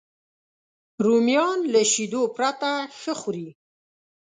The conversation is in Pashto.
رومیان له شیدو پرته ښه خوري